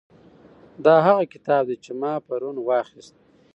دا هغه کتاب دی چې ما پرون واخیست.